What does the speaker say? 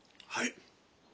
はい。